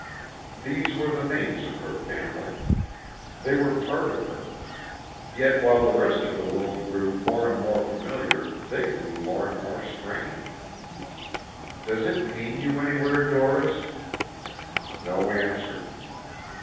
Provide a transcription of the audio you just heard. These were the names of her family. They were part of her. Yet while the rest of the world grew more and more familiar they grew more and more strange. "Does it pain you anywhere, Doris?" No answer.